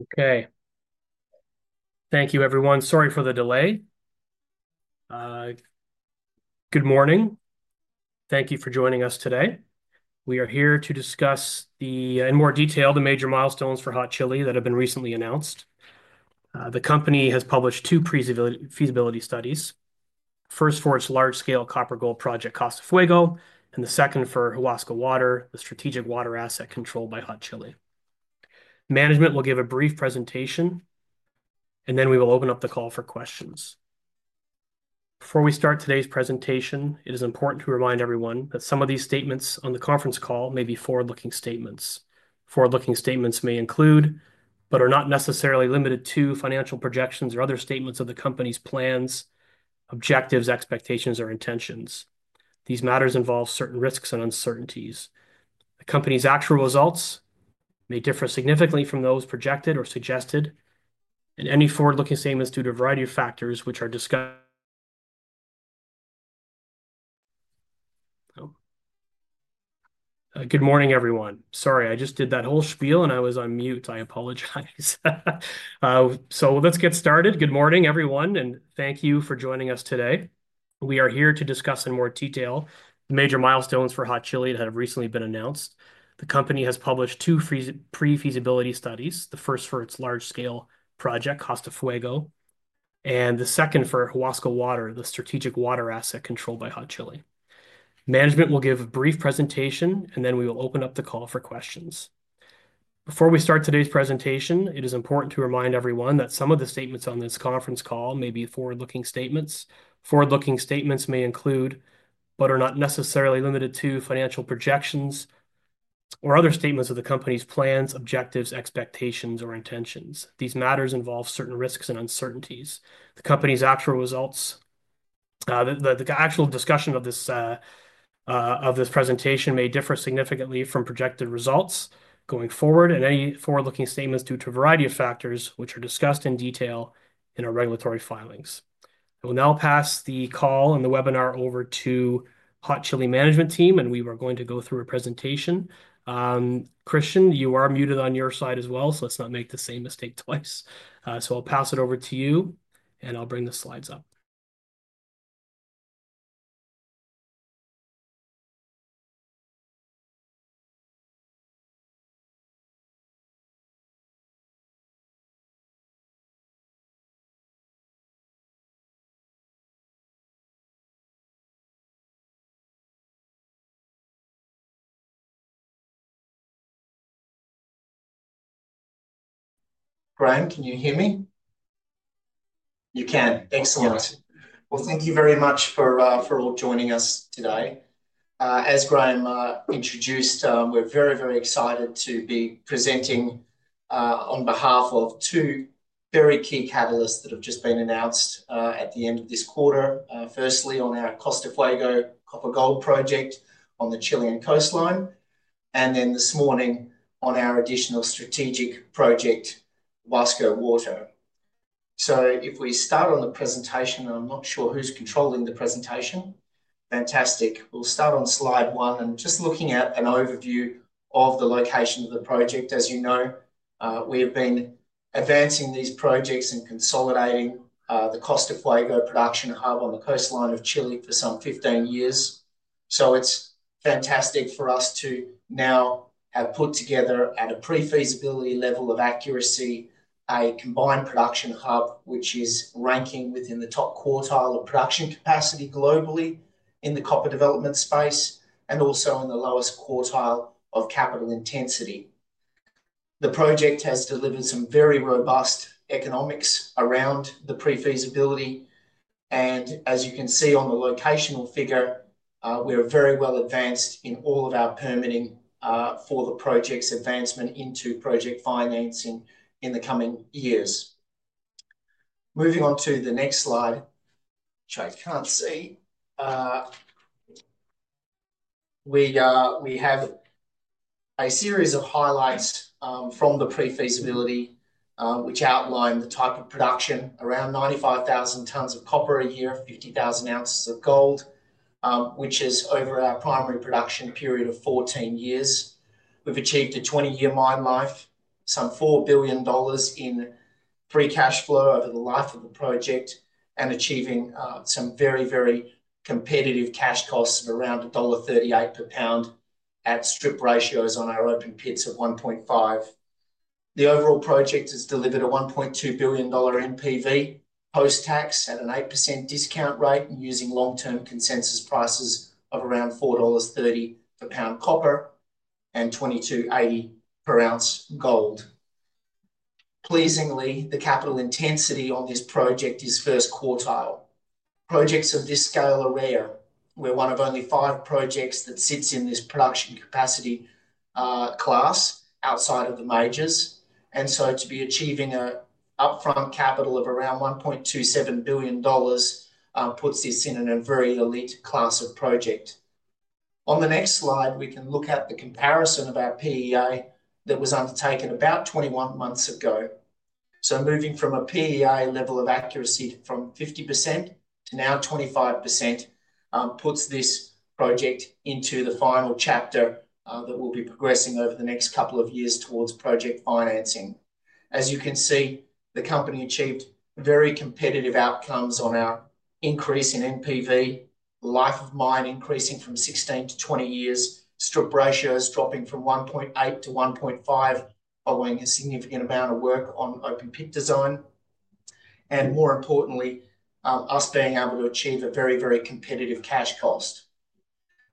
Okay. Thank you, everyone. Sorry for the delay. Good morning. Thank you for joining us today. We are here to discuss in more detail the major milestones for Hot Chili that have been recently announced. The company has published two feasibility studies: first for its large-scale Copper Gold Project, Costa Fuego, and the second for Huasco Water, the strategic water asset controlled by Hot Chili. Management will give a brief presentation, and then we will open up the call for questions. Before we start today's presentation, it is important to remind everyone that some of these statements on the conference call may be forward-looking statements. Forward-looking statements may include, but are not necessarily limited to, financial projections or other statements of the company's plans, objectives, expectations, or intentions. These matters involve certain risks and uncertainties. The company's actual results may differ significantly from those projected or suggested, and any forward-looking statements due to a variety of factors, which are discussed. Good morning, everyone. Sorry, I just did that whole spiel, and I was on mute. I apologize. Let's get started. Good morning, everyone, and thank you for joining us today. We are here to discuss in more detail the major milestones for Hot Chili that have recently been announced. The company has published two pre-feasibility studies, the first for its large-scale project, Costa Fuego, and the second for Huasco Water, the strategic water asset controlled by Hot Chili. Management will give a brief presentation, and then we will open up the call for questions. Before we start today's presentation, it is important to remind everyone that some of the statements on this conference call may be forward-looking statements. Forward-looking statements may include, but are not necessarily limited to, financial projections or other statements of the company's plans, objectives, expectations, or intentions. These matters involve certain risks and uncertainties. The company's actual results, the actual discussion of this presentation, may differ significantly from projected results going forward, and any forward-looking statements due to a variety of factors, which are discussed in detail in our regulatory filings. I will now pass the call and the webinar over to Hot Chili Management Team, and we are going to go through a presentation. Christian, you are muted on your side as well. Let's not make the same mistake twice. I will pass it over to you, and I'll bring the slides up. Graham, can you hear me? You can. Thanks a lot. Thank you very much for all joining us today. As Graham introduced, we're very, very excited to be presenting on behalf of two very key catalysts that have just been announced at the end of this quarter. Firstly, on our Costa Fuego Copper Gold Project on the Chilean coastline, and this morning on our additional strategic project, Huasco Water. If we start on the presentation, and I'm not sure who's controlling the presentation, fantastic. We'll start on slide one and just looking at an overview of the location of the project. As you know, we have been advancing these projects and consolidating the Costa Fuego production hub on the coastline of Chile for some 15 years. It's fantastic for us to now have put together, at a pre-feasibility level of accuracy, a combined production hub which is ranking within the top quartile of production capacity globally in the copper development space and also in the lowest quartile of capital intensity. The project has delivered some very robust economics around the pre-feasibility. As you can see on the locational figure, we're very well advanced in all of our permitting for the project's advancement into project financing in the coming years. Moving on to the next slide, which I can't see, we have a series of highlights from the pre-feasibility, which outline the type of production: around 95,000 tons of copper a year, 50,000 ounces of gold, which is over our primary production period of 14 years. We've achieved a 20-year mine life, some $4 billion in free cash flow over the life of the project, and achieving some very, very competitive cash costs of around $1.38 per pound at strip ratios on our open pits of 1.5. The overall project has delivered a $1.2 billion NPV post-tax at an 8% discount rate and using long-term consensus prices of around $4.30 per pound copper and $22.80 per ounce gold. Pleasingly, the capital intensity on this project is first quartile. Projects of this scale are rare. We're one of only five projects that sits in this production capacity class outside of the majors. To be achieving an upfront capital of around $1.27 billion puts this in a very elite class of project. On the next slide, we can look at the comparison of our PEA that was undertaken about 21 months ago. Moving from a PEA level of accuracy from 50% to now 25% puts this project into the final chapter that will be progressing over the next couple of years towards project financing. As you can see, the company achieved very competitive outcomes on our increase in NPV, life of mine increasing from 16 to 20 years, strip ratios dropping from 1.8 to 1.5 following a significant amount of work on open pit design, and more importantly, us being able to achieve a very, very competitive cash cost.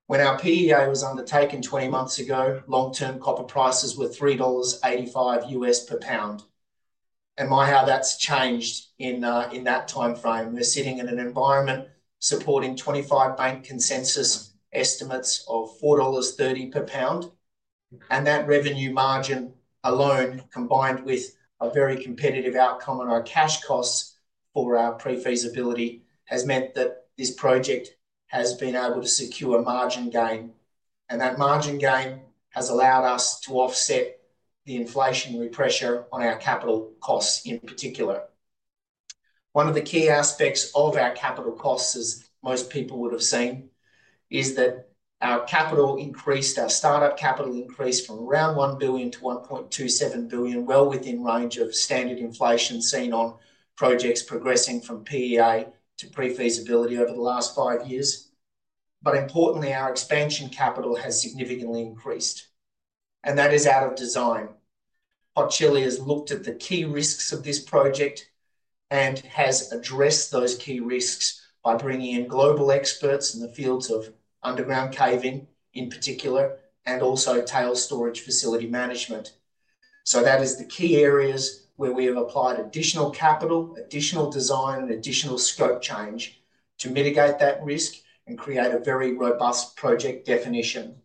When our PEA was undertaken 20 months ago, long-term copper prices were $3.85 US per pound. My, how that's changed in that timeframe. We're sitting in an environment supporting 25 bank consensus estimates of $4.30 per pound. That revenue margin alone, combined with a very competitive outcome on our cash costs for our pre-feasibility, has meant that this project has been able to secure a margin gain. That margin gain has allowed us to offset the inflationary pressure on our capital costs in particular. One of the key aspects of our capital costs, as most people would have seen, is that our capital increased; our startup capital increased from around $1 billion to $1.27 billion, well within range of standard inflation seen on projects progressing from PEA to pre-feasibility over the last five years. Importantly, our expansion capital has significantly increased, and that is out of design. Hot Chili has looked at the key risks of this project and has addressed those key risks by bringing in global experts in the fields of underground caving, in particular, and also tailings storage facility management. That is the key areas where we have applied additional capital, additional design, and additional scope change to mitigate that risk and create a very robust project definition.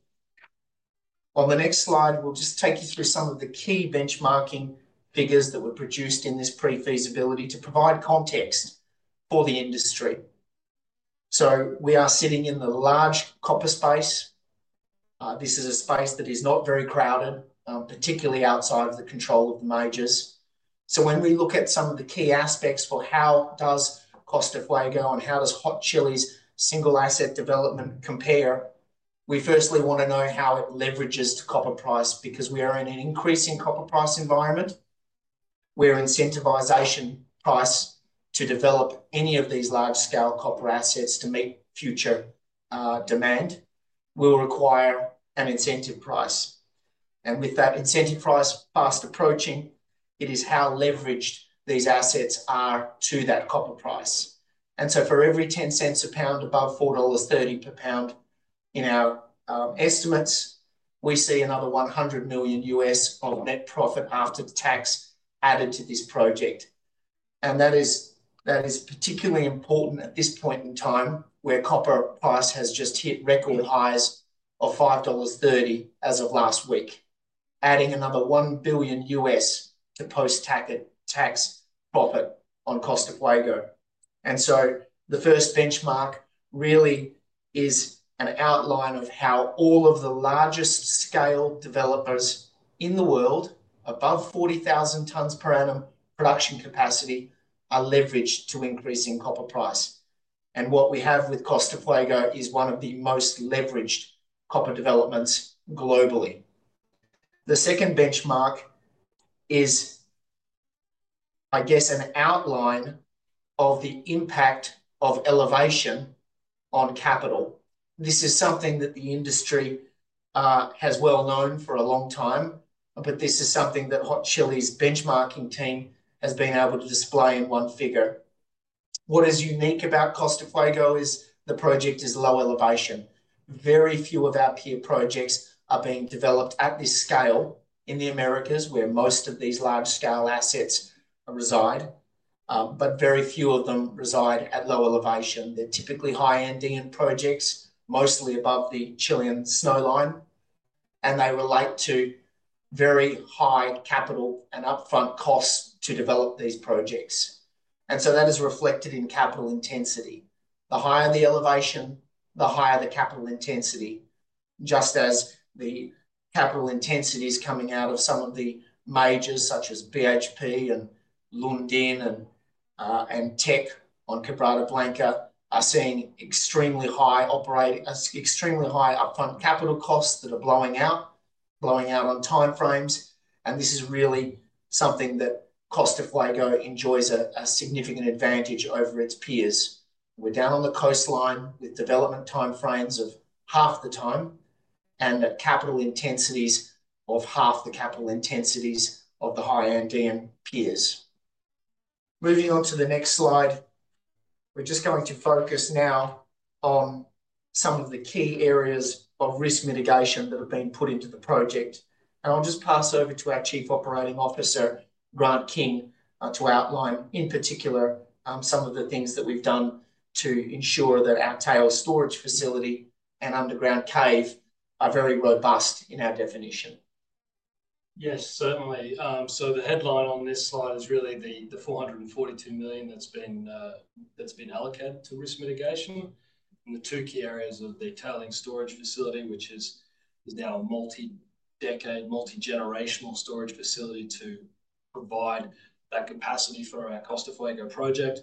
On the next slide, we'll just take you through some of the key benchmarking figures that were produced in this pre-feasibility to provide context for the industry. We are sitting in the large copper space. This is a space that is not very crowded, particularly outside of the control of the majors. When we look at some of the key aspects for how does Costa Fuego and how does Hot Chili's single asset development compare, we firstly want to know how it leverages the copper price because we are in an increasing copper price environment where incentivization price to develop any of these large-scale copper assets to meet future demand will require an incentive price. With that incentive price fast approaching, it is how leveraged these assets are to that copper price. For every $0.10 per pound above $4.30 per pound in our estimates, we see another $100 million US of net profit after tax added to this project. That is particularly important at this point in time, where copper price has just hit record highs of $5.30 as of last week, adding another $1 billion US to post-tax profit on Costa Fuego. The first benchmark really is an outline of how all of the largest scale developers in the world, above 40,000 tons per annum production capacity, are leveraged to increasing copper price. What we have with Costa Fuego is one of the most leveraged copper developments globally. The second benchmark is, I guess, an outline of the impact of elevation on capital. This is something that the industry has well known for a long time, but this is something that Hot Chili's benchmarking team has been able to display in one figure. What is unique about Costa Fuego is the project is low elevation. Very few of our peer projects are being developed at this scale in the Americas, where most of these large-scale assets reside, but very few of them reside at low elevation. They're typically High-Andean projects, mostly above the Chilean snowline, and they relate to very high capital and upfront costs to develop these projects. That is reflected in capital intensity. The higher the elevation, the higher the capital intensity, just as the capital intensity is coming out of some of the majors, such as BHP and Lundin, and Teck Resources, on Quebrada Blanca, are seeing extremely high upfront capital costs that are blowing out on timeframes. This is really something that Costa Fuego enjoys a significant advantage over its peers. We're down on the coastline with development timeframes of half the time and capital intensities of half the capital intensities of the high-ending peers. Moving on to the next slide, we're just going to focus now on some of the key areas of risk mitigation that have been put into the project. I'll just pass over to our Chief Operating Officer, Grant King, to outline in particular some of the things that we've done to ensure that our tailings storage facility and underground cave are very robust in our definition. Yes, certainly. The headline on this slide is really the $442 million that's been allocated to risk mitigation and the two key areas of the tailings storage facility, which is now a multi-decade, multi-generational storage facility to provide that capacity for our Costa Fuego project.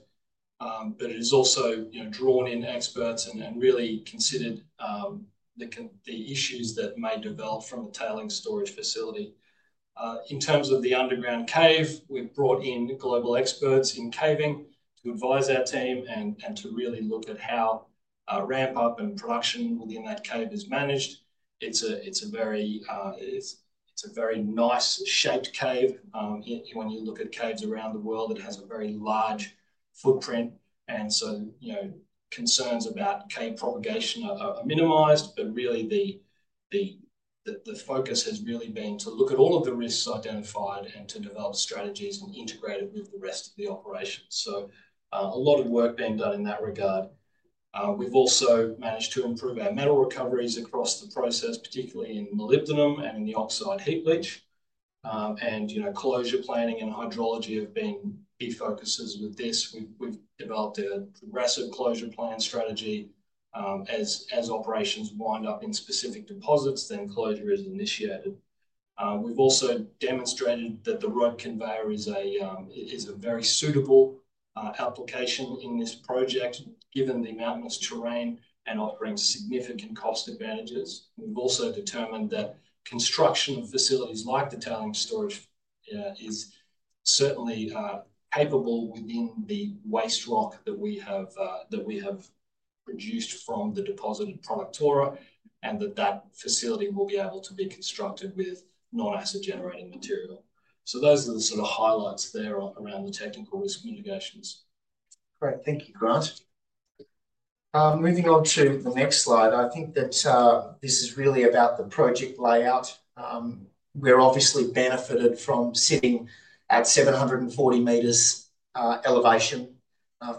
It has also drawn in experts and really considered the issues that may develop from the tailings storage facility. In terms of the underground cave, we've brought in global experts in caving to advise our team and to really look at how ramp-up and production within that cave is managed. It's a very nice-shaped cave. When you look at caves around the world, it has a very large footprint. Concerns about cave propagation are minimized, but really the focus has really been to look at all of the risks identified and to develop strategies and integrate it with the rest of the operation. A lot of work is being done in that regard. We've also managed to improve our metal recoveries across the process, particularly in molybdenum and in the oxide heap leach. Closure planning and hydrology have been key focuses with this. We've developed a progressive closure plan strategy as operations wind up in specific deposits, then closure is initiated. We've also demonstrated that the rope conveyor is a very suitable application in this project, given the mountainous terrain, and offering significant cost advantages. We've also determined that construction of facilities like the Tailings Storage Facility is certainly capable within the waste rock that we have produced from the Productora deposit, and that that facility will be able to be constructed with non-acid generating material. Those are the sort of highlights there around the technical risk mitigations. Great. Thank you, Grant. Moving on to the next slide, I think that this is really about the project layout. We're obviously benefited from sitting at 740 meters elevation,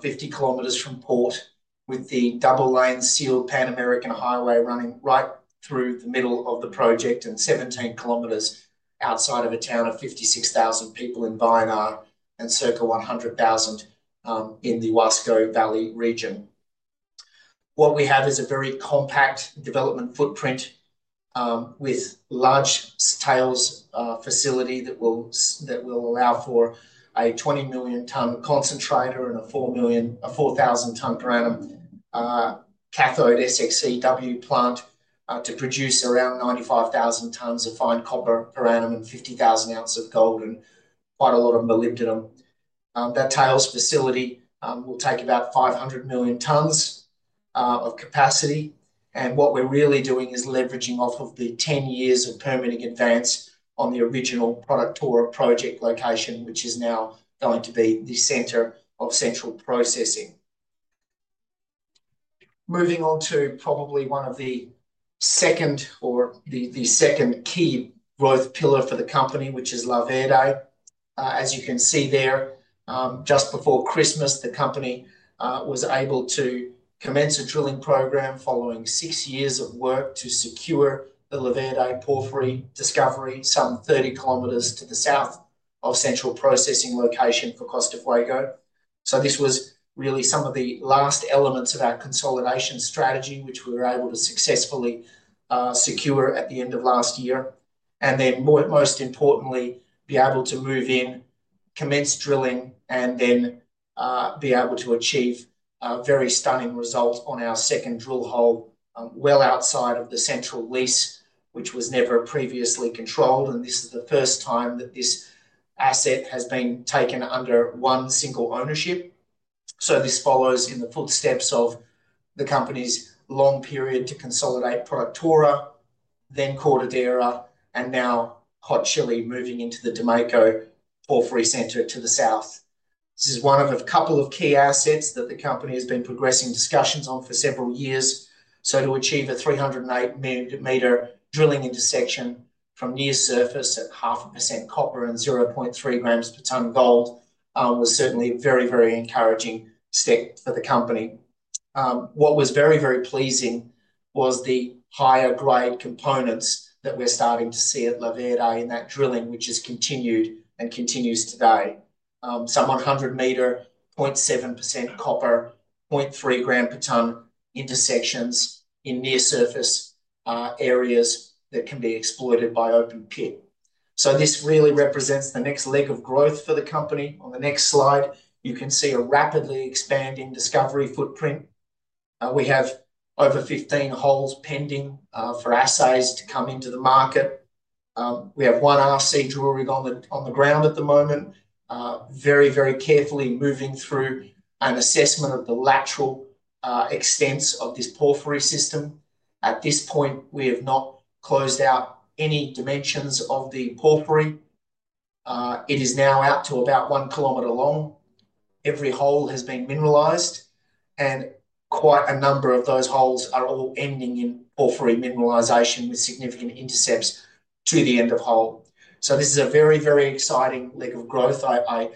50 km from port with the double-lane sealed Pan-American Highway running right through the middle of the project and 17 km outside of a town of 56,000 people in Vallenar and circa 100,000 in the Huasco Valley region. What we have is a very compact development footprint with large tails facility that will allow for a 20 million ton concentrator and a 4,000 ton per annum cathode SX-EW plant to produce around 95,000 tons of fine copper per annum and 50,000 ounces of gold and quite a lot of molybdenum. That tails facility will take about 500 million tons of capacity. What we're really doing is leveraging off of the 10 years of permitting advance on the original Productora project location, which is now going to be the center of central processing. Moving on to probably one of the second or the second key growth pillar for the company, which is La Verde. As you can see there, just before Christmas, the company was able to commence a drilling program following six years of work to secure the La Verde Porphyry discovery some 30 km to the south of central processing location for Costa Fuego. This was really some of the last elements of our consolidation strategy, which we were able to successfully secure at the end of last year. Most importantly, be able to move in, commence drilling, and then be able to achieve a very stunning result on our second drill hole well outside of the central lease, which was never previously controlled. This is the first time that this asset has been taken under one single ownership. This follows in the footsteps of the company's long period to consolidate Productora, then Cortadera, and now Hot Chili moving into the Domeyko porphyry center to the south. This is one of a couple of key assets that the company has been progressing discussions on for several years. To achieve a 308-meter drilling intersection from near surface at 0.5% copper and 0.3 grams per ton gold was certainly a very, very encouraging step for the company. What was very, very pleasing was the higher-grade components that we're starting to see at La Verde in that drilling, which has continued and continues today. Some 100-meter 0.7% copper, 0.3 gram per ton intersections in near-surface areas that can be exploited by open pit. This really represents the next leg of growth for the company. On the next slide, you can see a rapidly expanding discovery footprint. We have over 15 holes pending for assays to come into the market. We have one RC drill rig on the ground at the moment, very, very carefully moving through an assessment of the lateral extents of this porphyry system. At this point, we have not closed out any dimensions of the porphyry. It is now out to about one kilometer long. Every hole has been mineralized, and quite a number of those holes are all ending in porphyry mineralization with significant intercepts to the end of hole. This is a very, very exciting leg of growth. I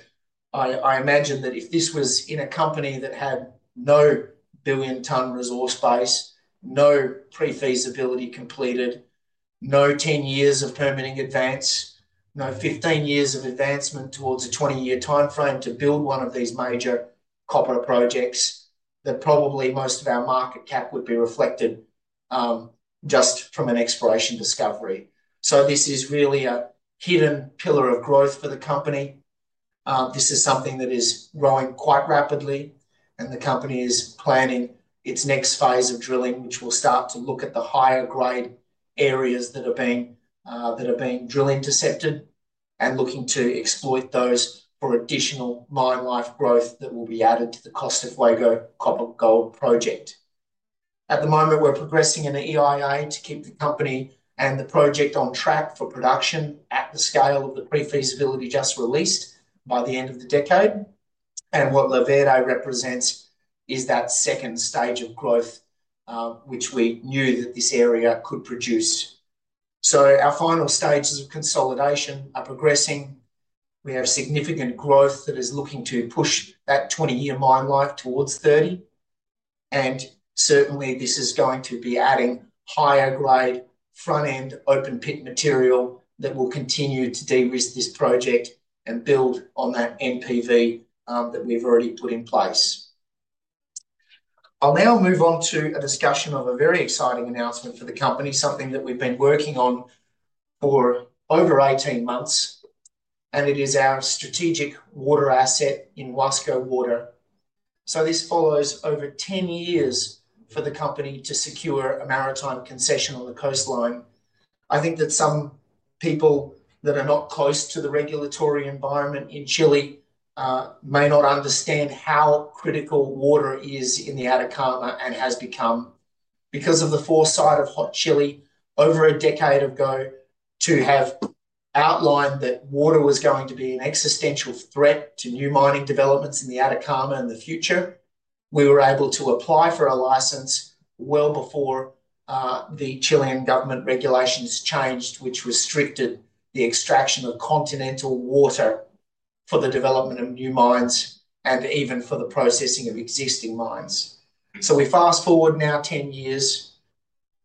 imagine that if this was in a company that had no billion-ton resource base, no pre-feasibility completed, no 10 years of permitting advance, no 15 years of advancement towards a 20-year timeframe to build one of these major copper projects, that probably most of our market cap would be reflected just from an exploration discovery. This is really a hidden pillar of growth for the company. This is something that is growing quite rapidly, and the company is planning its next phase of drilling, which will start to look at the higher-grade areas that are being drill intercepted and looking to exploit those for additional mine life growth that will be added to the Costa Fuego Copper Gold Project. At the moment, we're progressing in the EIA to keep the company and the project on track for production at the scale of the pre-feasibility just released by the end of the decade. What La Verde represents is that second stage of growth, which we knew that this area could produce. Our final stages of consolidation are progressing. We have significant growth that is looking to push that 20-year mine life towards 30. Certainly, this is going to be adding higher-grade front-end open-pit material that will continue to de-risk this project and build on that NPV that we've already put in place. I'll now move on to a discussion of a very exciting announcement for the company, something that we've been working on for over 18 months, and it is our strategic water asset in Huasco Water. This follows over 10 years for the company to secure a maritime concession on the coastline. I think that some people that are not close to the regulatory environment in Chile may not understand how critical water is in the Atacama and has become. Because of the foresight of Hot Chili over a decade ago to have outlined that water was going to be an existential threat to new mining developments in the Atacama in the future, we were able to apply for a license well before the Chilean government regulations changed, which restricted the extraction of continental water for the development of new mines and even for the processing of existing mines. We fast forward now 10 years,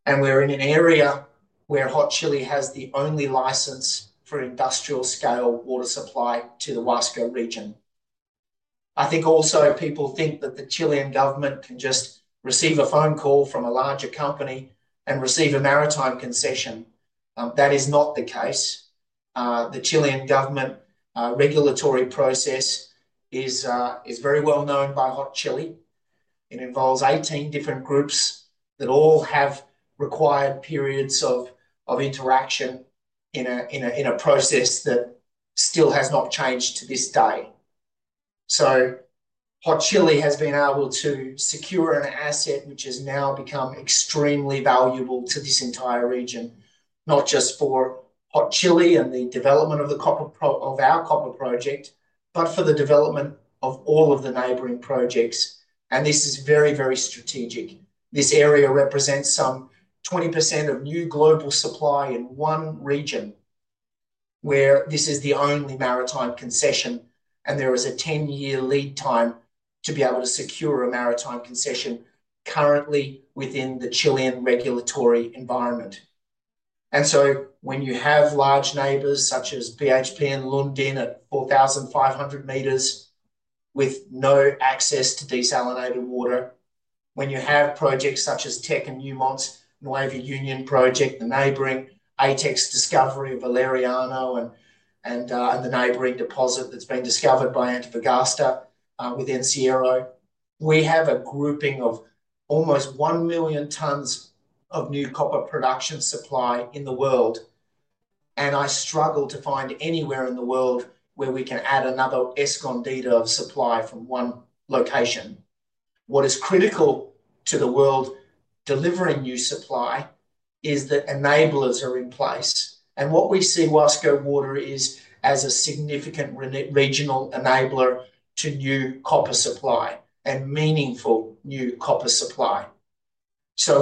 and we're in an area where Hot Chili has the only license for industrial-scale water supply to the Huasco region. I think also people think that the Chilean government can just receive a phone call from a larger company and receive a maritime concession. That is not the case. The Chilean government regulatory process is very well known by Hot Chili. It involves 18 different groups that all have required periods of interaction in a process that still has not changed to this day. Hot Chili has been able to secure an asset which has now become extremely valuable to this entire region, not just for Hot Chili and the development of our copper project, but for the development of all of the neighboring projects. This is very, very strategic. This area represents some 20% of new global supply in one region where this is the only maritime concession, and there is a 10-year lead time to be able to secure a maritime concession currently within the Chilean regulatory environment. When you have large neighbors such as BHP and Lundin at 4,500 meters with no access to desalinated water, when you have projects such as Teck and Newmont's Nueva Union project, the neighboring ATEX discovery of Valeriano, and the neighboring deposit that has been discovered by Antofagasta within Encierro, we have a grouping of almost 1 million tons of new copper production supply in the world. I struggle to find anywhere in the world where we can add another Escondida of supply from one location. What is critical to the world delivering new supply is that enablers are in place. What we see Huasco Water as is a significant regional enabler to new copper supply and meaningful new copper supply.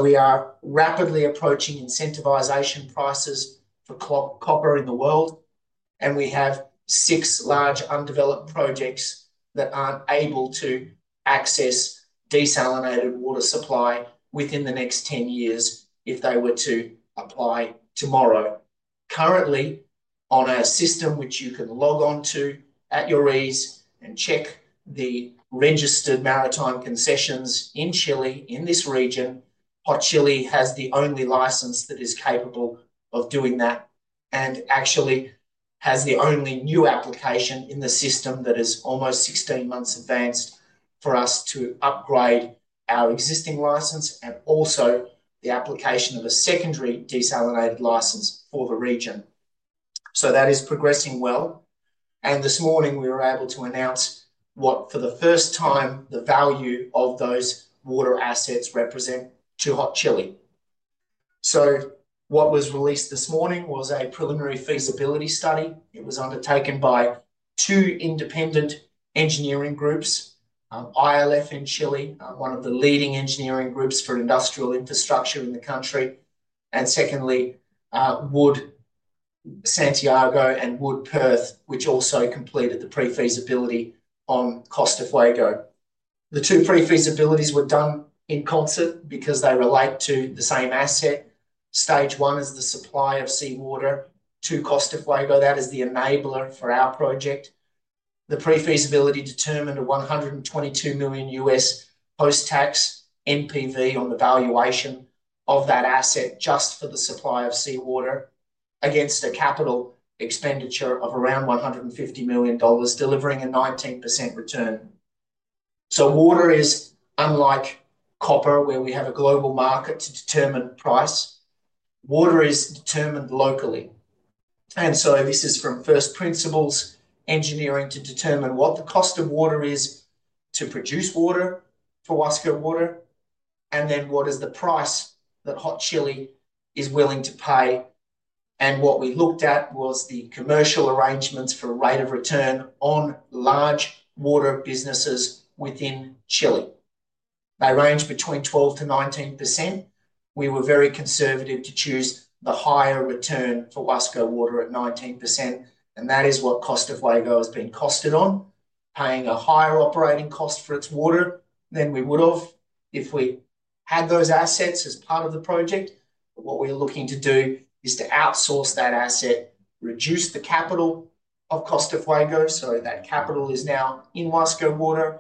We are rapidly approaching incentivization prices for copper in the world, and we have six large undeveloped projects that are not able to access desalinated water supply within the next 10 years if they were to apply tomorrow. Currently, on our system, which you can log on to at your ease and check the registered maritime concessions in Chile in this region, Hot Chili has the only license that is capable of doing that and actually has the only new application in the system that is almost 16 months advanced for us to upgrade our existing license and also the application of a secondary desalinated license for the region. That is progressing well. This morning, we were able to announce, for the first time, the value of those water assets represent to Hot Chili. What was released this morning was a preliminary feasibility study. It was undertaken by two independent engineering groups: ILF in Chile, one of the leading engineering groups for industrial infrastructure in the country, and secondly, Wood Santiago and Wood Perth, which also completed the pre-feasibility on Costa Fuego. The two pre-feasibilities were done in concert because they relate to the same asset. Stage one is the supply of seawater to Costa Fuego. That is the enabler for our project. The pre-feasibility determined a $122 million post-tax NPV on the valuation of that asset just for the supply of seawater against a capital expenditure of around $150 million, delivering a 19% return. Water is unlike copper, where we have a global market to determine price. Water is determined locally. This is from first principles, engineering, to determine what the cost of water is to produce water for Huasco Water, and then what is the price that Hot Chili is willing to pay. What we looked at was the commercial arrangements for rate of return on large water businesses within Chile. They range between 12%-19%. We were very conservative to choose the higher return for Huasco Water at 19%, and that is what Costa Fuego has been costed on, paying a higher operating cost for its water than we would have if we had those assets as part of the project. What we are looking to do is to outsource that asset, reduce the capital of Costa Fuego. That capital is now in Huasco Water,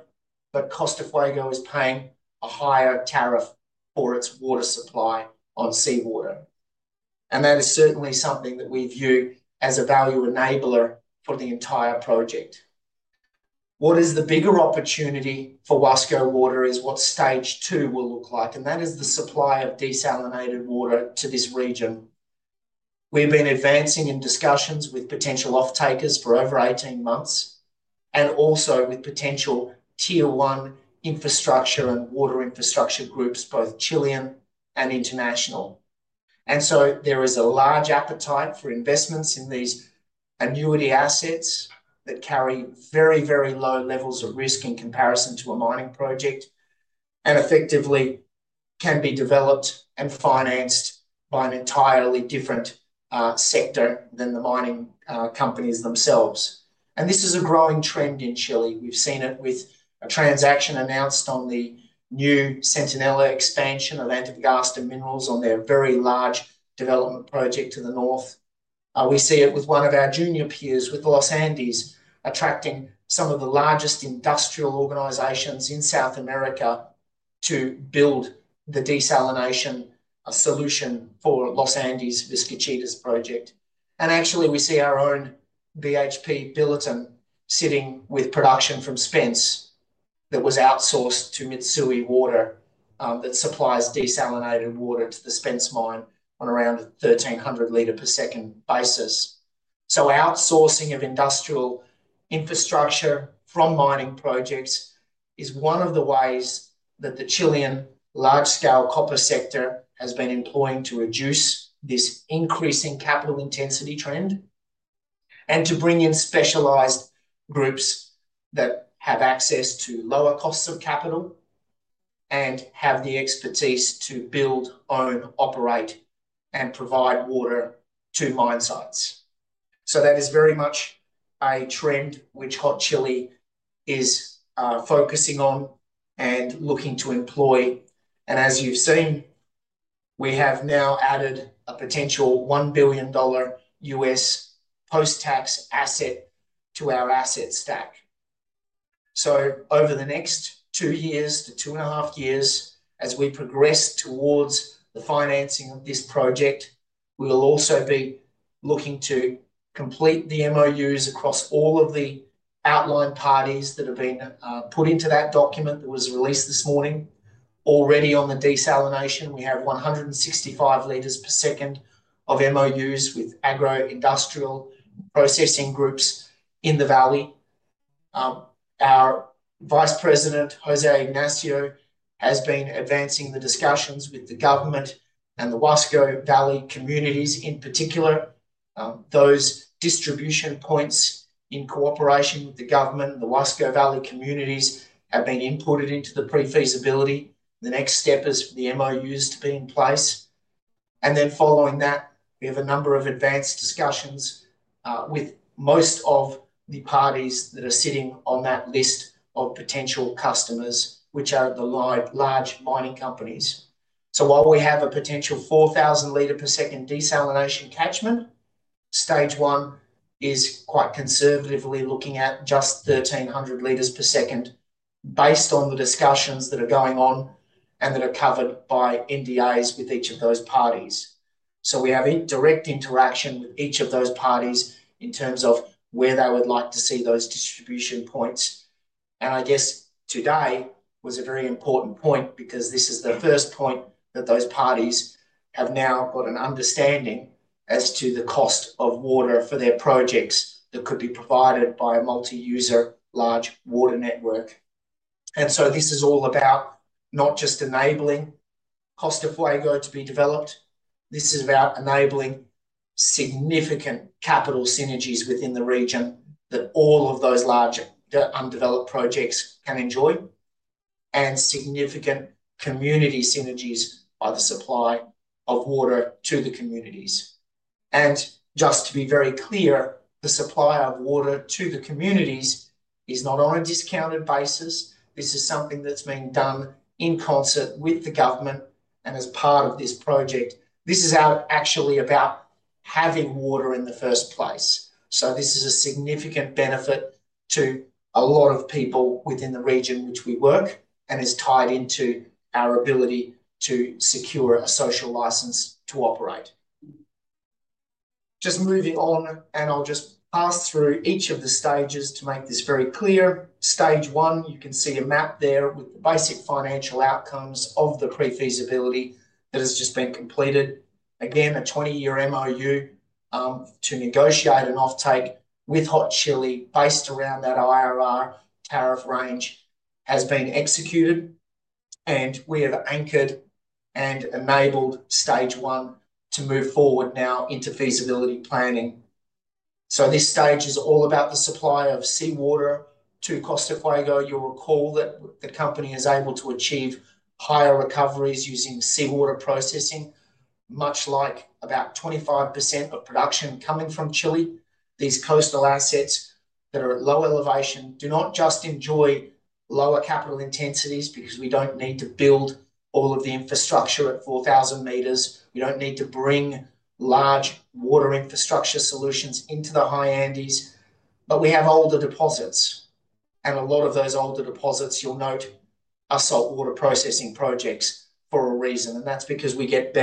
but Costa Fuego is paying a higher tariff for its water supply on seawater. That is certainly something that we view as a value enabler for the entire project. What is the bigger opportunity for Huasco Water is what stage two will look like, and that is the supply of desalinated water to this region. We have been advancing in discussions with potential off-takers for over 18 months and also with potential tier one infrastructure and water infrastructure groups, both Chilean and international. There is a large appetite for investments in these annuity assets that carry very, very low levels of risk in comparison to a mining project, and effectively can be developed and financed by an entirely different sector than the mining companies themselves. This is a growing trend in Chile. We have seen it with a transaction announced on the new Centinela expansion of Antofagasta Minerals on their very large development project to the north. We see it with one of our junior peers with Los Andes attracting some of the largest industrial organizations in South America to build the desalination solution for Los Andes Vizcachitas project. Actually, we see our own BHP sitting with production from Spence that was outsourced to Mitsui Water, that supplies desalinated water to the Spence mine on around a 1,300 liter per second basis. Outsourcing of industrial infrastructure from mining projects is one of the ways that the Chilean large-scale copper sector has been employing to reduce this increasing capital intensity trend and to bring in specialized groups that have access to lower costs of capital and have the expertise to build, own, operate, and provide water to mine sites. That is very much a trend which Hot Chili is focusing on and looking to employ. As you've seen, we have now added a potential $1 billion US post-tax asset to our asset stack. Over the next two years to two and a half years, as we progress towards the financing of this project, we will also be looking to complete the MOUs across all of the outlined parties that have been put into that document that was released this morning. Already on the desalination, we have 165 liters per second of MOUs with agro-industrial processing groups in the valley. Our Vice President, José Ignacio, has been advancing the discussions with the government and the Huasco Valley communities in particular. Those distribution points in cooperation with the government and the Huasco Valley communities have been inputted into the pre-feasibility. The next step is for the MOUs to be in place. Following that, we have a number of advanced discussions with most of the parties that are sitting on that list of potential customers, which are the large mining companies. While we have a potential 4,000-liter per second desalination catchment, stage one is quite conservatively looking at just 1,300 liters per second based on the discussions that are going on and that are covered by NDAs with each of those parties. We have direct interaction with each of those parties in terms of where they would like to see those distribution points. I guess today was a very important point because this is the first point that those parties have now got an understanding as to the cost of water for their projects that could be provided by a multi-user large water network. This is all about not just enabling Costa Fuego to be developed. This is about enabling significant capital synergies within the region that all of those large undeveloped projects can enjoy, and significant community synergies by the supply of water to the communities. Just to be very clear, the supply of water to the communities is not on a discounted basis. This is something that's being done in concert with the government and as part of this project. This is actually about having water in the first place. This is a significant benefit to a lot of people within the region which we work and is tied into our ability to secure a social license to operate. Just moving on, I'll just pass through each of the stages to make this very clear. Stage one, you can see a map there with the basic financial outcomes of the pre-feasibility that has just been completed. Again, a 20-year MOU to negotiate an off-take with Hot Chili based around that IRR tariff range has been executed, and we have anchored and enabled stage one to move forward now into feasibility planning. This stage is all about the supply of seawater to Costa Fuego. You'll recall that the company is able to achieve higher recoveries using seawater processing, much like about 25% of production coming from Chile. These coastal assets that are at low elevation do not just enjoy lower capital intensities because we don't need to build all of the infrastructure at 4,000 meters. We don't need to bring large water infrastructure solutions into the high Andes, but we have older deposits. A lot of those older deposits, you'll note, are saltwater processing projects for a reason, and that's because we get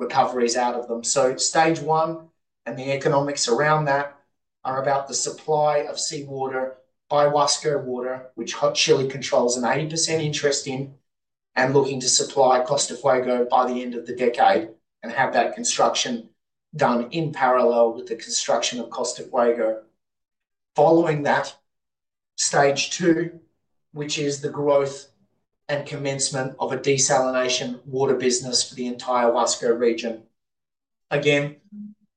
better recoveries out of them. Stage one and the economics around that are about the supply of seawater by Huasco Water, which Hot Chili controls an 80% interest in, and looking to supply Costa Fuego by the end of the decade, and have that construction done in parallel with the construction of Costa Fuego. Following that, stage two which is the growth and commencement of a desalination water business for the entire Huasco region. Again,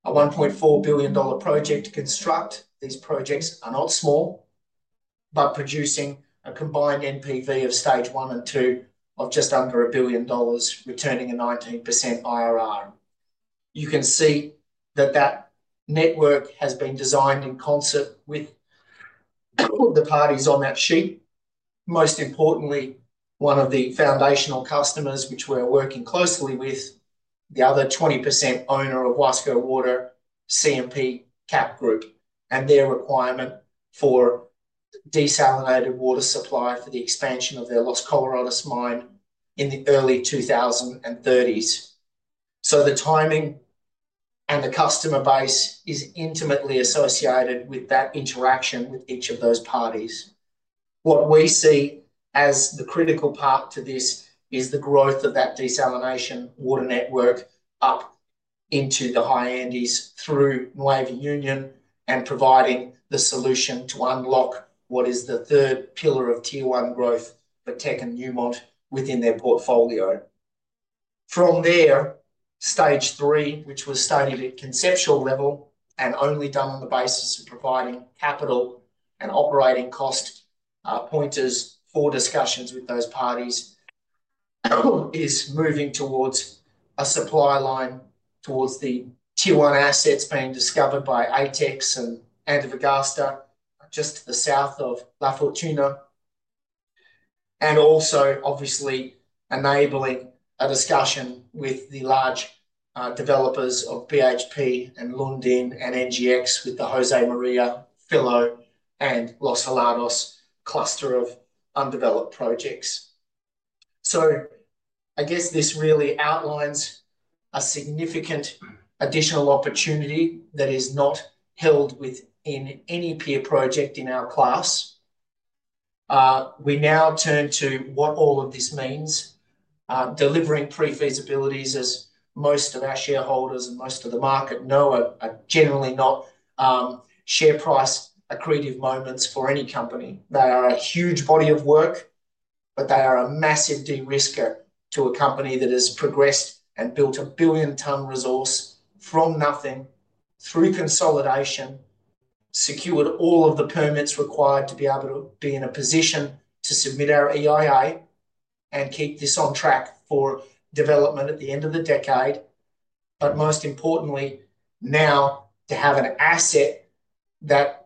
a $1.4 billion project to construct. These projects are not small, but producing a combined NPV of stage one and two of just under $1 billion, returning a 19% IRR. You can see that that network has been designed in concert with the parties on that sheet. Most importantly, one of the foundational customers which we are working closely with, the other 20% owner of Huasco Water, CMP CAP Group, and their requirement for desalinated water supply for the expansion of their Los Colorados mine in the early 2030s. The timing and the customer base is intimately associated with that interaction with each of those parties. What we see as the critical part to this is the growth of that desalination water network up into the high Andes through Nueva Union and providing the solution to unlock what is the third pillar of tier one growth for Teck Resources and Newmont within their portfolio. From there, stage three, which was stated at conceptual level and only done on the basis of providing capital and operating cost pointers for discussions with those parties, is moving towards a supply line towards the tier one assets being discovered by ATEX and Antofagasta just to the south of La Fortuna. Also, obviously, enabling a discussion with the large developers of BHP and Lundin, and NGEx, with the Josemaria, Filo and Los Helados cluster of undeveloped projects. I guess this really outlines a significant additional opportunity that is not held within any peer project in our class. We now turn to what all of this means. Delivering pre-feasibilities, as most of our shareholders and most of the market know, are generally not share price accretive moments for any company. They are a huge body of work, but they are a massive de-risker to a company that has progressed and built a billion-ton resource from nothing through consolidation, secured all of the permits required to be able to be in a position to submit our EIA, and keep this on track for development at the end of the decade. Most importantly, now to have an asset that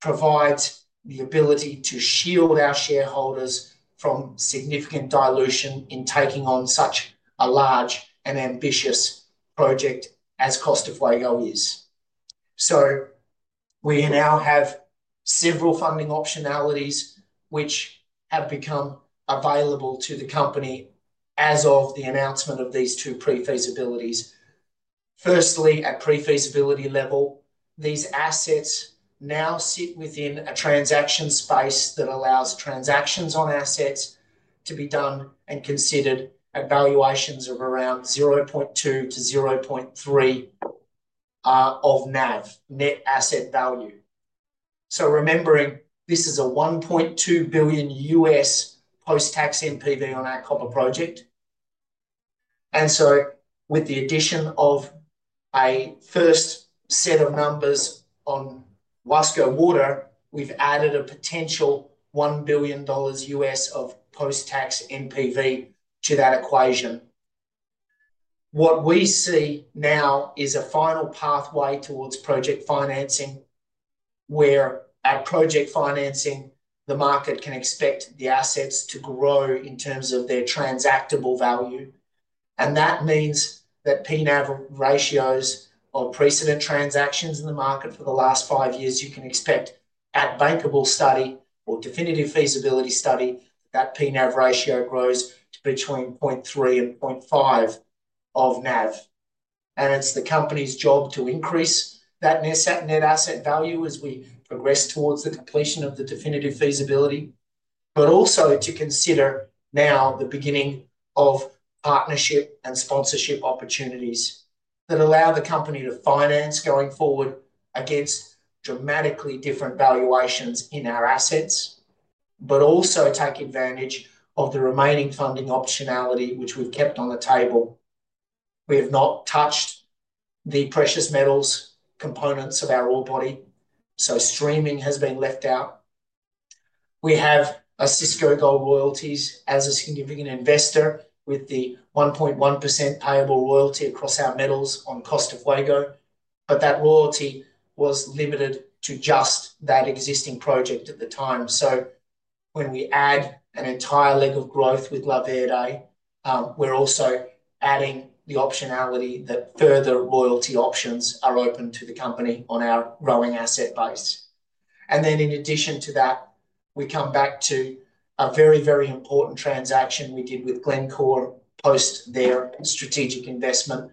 provides the ability to shield our shareholders from significant dilution in taking on such a large and ambitious project as Costa Fuego is. We now have several funding optionalities which have become available to the company as of the announcement of these two pre-feasibilities. Firstly, at pre-feasibility level, these assets now sit within a transaction space that allows transactions on assets to be done and considered at valuations of around 0.2-0.3 of NAV, net asset value. Remembering, this is a $1.2 billion US post-tax NPV on our copper project. With the addition of a first set of numbers on Huasco Water, we've added a potential $1 billion US of post-tax NPV to that equation. What we see now is a final pathway towards project financing, where, at project financing, the market can expect the assets to grow in terms of their transactable value. That means that PNAV ratios of precedent transactions in the market for the last five years, you can expect at bankable study or definitive feasibility study that PNAV ratio grows to between 0.3-0.5 of NAV. It is the company's job to increase that net asset value as we progress towards the completion of the definitive feasibility, but also to consider now the beginning of partnership and sponsorship opportunities that allow the company to finance going forward against dramatically different valuations in our assets, but also take advantage of the remaining funding optionality, which we've kept on the table. We have not touched the precious metals components of our ore body, so streaming has been left out. We have Osisko Gold Royalties as a significant investor with the 1.1% payable royalty across our metals on Costa Fuego, but that royalty was limited to just that existing project at the time. When we add an entire leg of growth with La Verde, we are also adding the optionality that further royalty options are open to the company on our growing asset base. In addition to that, we come back to a very, very important transaction we did with Glencore post their strategic investment,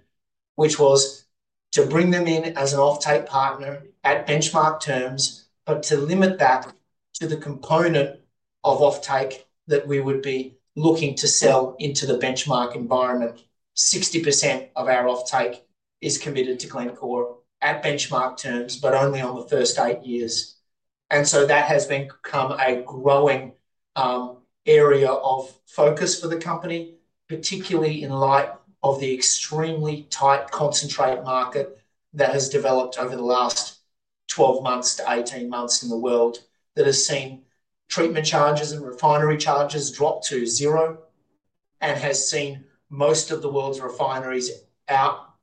which was to bring them in as an off-take partner at benchmark terms, but to limit that to the component of off-take that we would be looking to sell into the benchmark environment. 60% of our off-take is committed to Glencore at benchmark terms, but only on the first eight years. That has become a growing area of focus for the company, particularly in light of the extremely tight concentrate market that has developed over the last 12 months to 18 months in the world that has seen treatment charges and refinery charges drop to zero and has seen most of the world's refineries out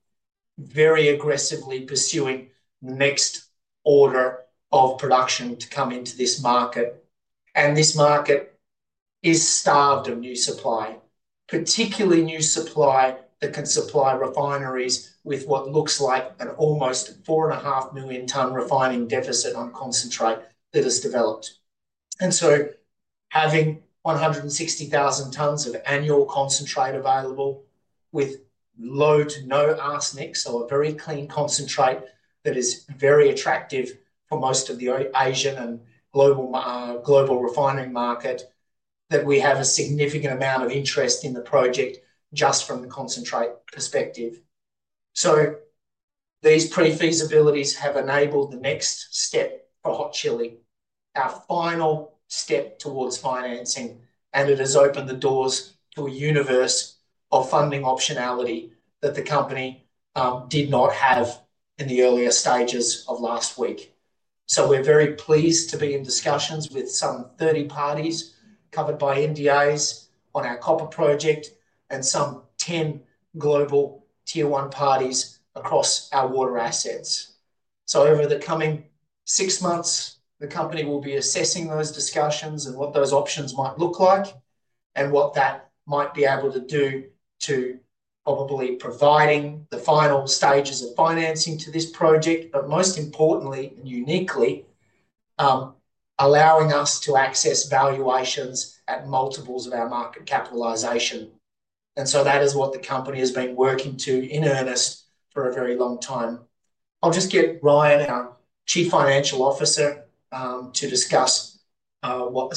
very aggressively pursuing the next order of production to come into this market. This market is starved of new supply, particularly new supply that can supply refineries with what looks like an almost 4.5 million-ton refining deficit on concentrate that has developed. Having 160,000 tons of annual concentrate available with low to no arsenic, a very clean concentrate that is very attractive for most of the Asian and global refining market, we have a significant amount of interest in the project just from the concentrate perspective. These pre-feasibilities have enabled the next step for Hot Chili, our final step towards financing, and it has opened the doors to a universe of funding optionality that the company did not have in the earlier stages of last week. We are very pleased to be in discussions with some 30 parties covered by NDAs on our copper project and some 10 global tier one parties across our water assets. Over the coming six months, the company will be assessing those discussions and what those options might look like and what that might be able to do to probably providing the final stages of financing to this project, but most importantly and uniquely, allowing us to access valuations at multiples of our market capitalisation. That is what the company has been working to in earnest for a very long time. I'll just get Ryan, our Chief Financial Officer, to discuss what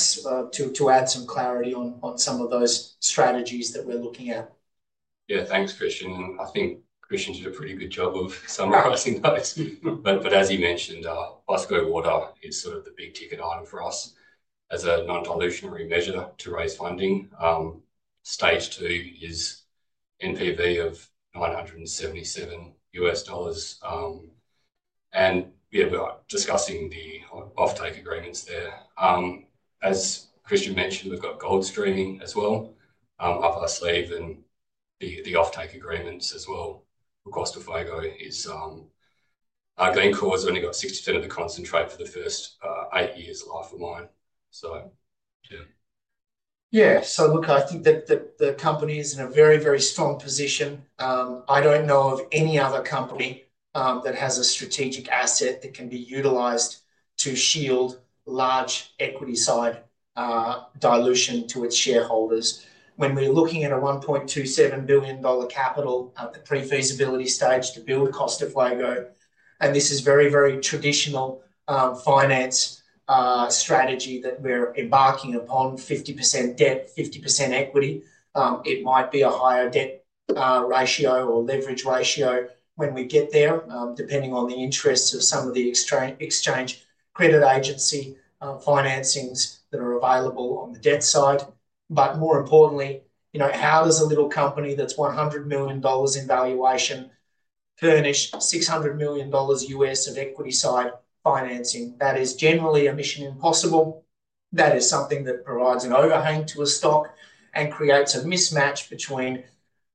to add some clarity on some of those strategies that we're looking at. Yeah, thanks, Christian. I think Christian did a pretty good job of summarising those. As you mentioned, Huasco Water is sort of the big ticket item for us as a non-dilutionary measure to raise funding. Stage two is NPV of $977 million. Yeah, we're discussing the off-take agreements there. As Christian mentioned, we've got gold streaming as well up our sleeve and the off-take agreements as well for Costa Fuego. Glencore has only got 60% of the concentrate for the first eight years' life of mine. I think that the company is in a very, very strong position. I don't know of any other company that has a strategic asset that can be utilised to shield large equity side dilution to its shareholders. When we're looking at a $1.27 billion capital at the pre-feasibility stage to build Costa Fuego, and this is very, very traditional finance strategy that we're embarking upon, 50% debt, 50% equity, it might be a higher debt ratio or leverage ratio when we get there, depending on the interests of some of the exchange credit agency financings that are available on the debt side. More importantly, how does a little company that's $100 million in valuation furnish $600 million US of equity side financing? That is generally a mission impossible. That is something that provides an overhang to a stock and creates a mismatch between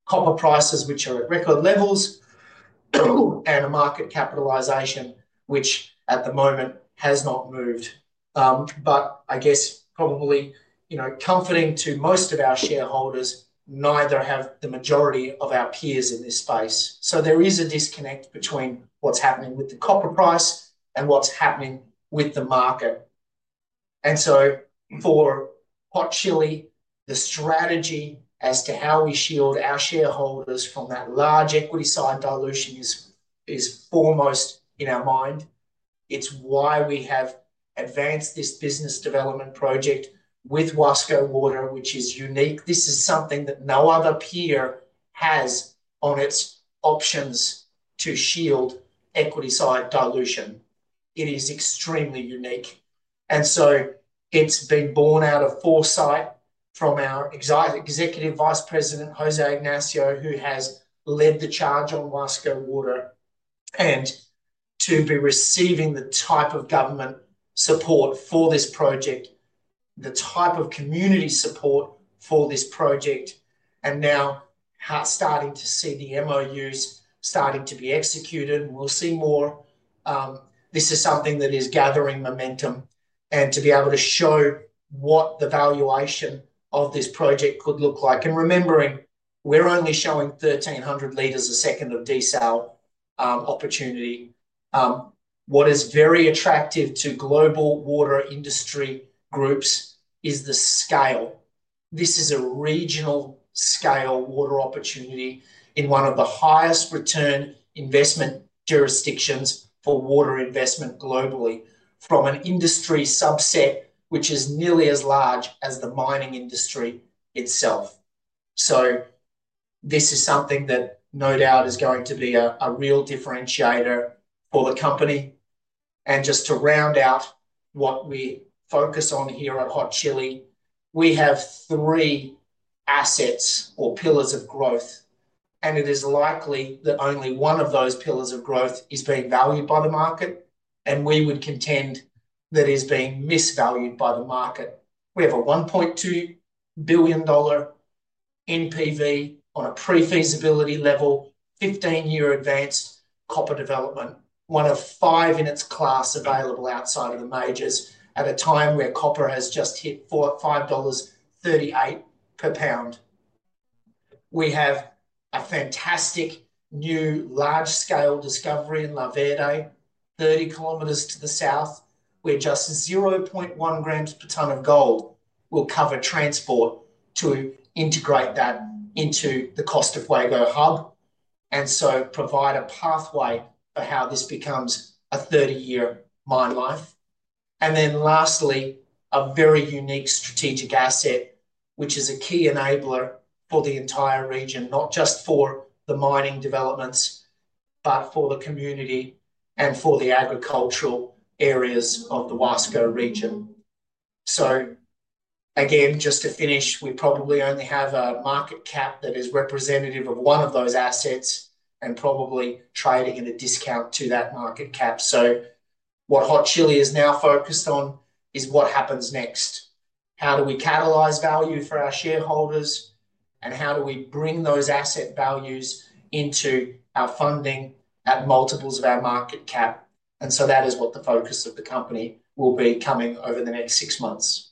copper prices, which are at record levels, and a market capitalisation which, at the moment, has not moved. I guess probably comforting to most of our shareholders, neither have the majority of our peers in this space. There is a disconnect between what's happening with the copper price and what's happening with the market. For Hot Chili, the strategy as to how we shield our shareholders from that large equity side dilution is foremost in our mind. It's why we have advanced this business development project with Huasco Water, which is unique. This is something that no other peer has on its options to shield equity side dilution. It is extremely unique. It has been borne out of foresight from our Executive Vice President, José Ignacio, who has led the charge on Huasco Water. To be receiving the type of government support for this project, the type of community support for this project, and now starting to see the MOUs starting to be executed, and we will see more, this is something that is gathering momentum. To be able to show what the valuation of this project could look like. Remembering, we are only showing 1,300 litres a second of desal opportunity. What is very attractive to global water industry groups is the scale. This is a regional scale water opportunity in one of the highest return investment jurisdictions for water investment globally, from an industry subset which is nearly as large as the mining industry itself. This is something that no doubt is going to be a real differentiator for the company. Just to round out what we focus on here at Hot Chili, we have three assets or pillars of growth, and it is likely that only one of those pillars of growth is being valued by the market, and we would contend that is being misvalued by the market. We have a $1.2 billion NPV on a pre-feasibility level, 15-year advanced copper development, one of five in its class available outside of the majors, at a time where copper has just hit $5.38 per pound. We have a fantastic new large-scale discovery in La Verde, 30 km to the south, where just 0.1 grams per tonne of gold will cover transport to integrate that into the Costa Fuego hub and provide a pathway for how this becomes a 30-year mine life. Lastly, a very unique strategic asset, which is a key enabler for the entire region, not just for the mining developments, but for the community and for the agricultural areas of the Huasco region. Again, just to finish, we probably only have a market cap that is representative of one of those assets and probably trading at a discount to that market cap. What Hot Chili is now focused on is what happens next. How do we catalyze value for our shareholders, and how do we bring those asset values into our funding at multiples of our market cap? That is what the focus of the company will be coming over the next six months.